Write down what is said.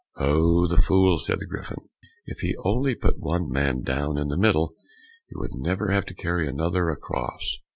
"Oh, the fool!" said the Griffin; "if he only put one man down in the middle, he would never have to carry another across."